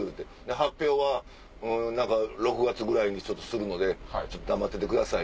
「発表は６月ぐらいにするのでちょっと黙っててください」。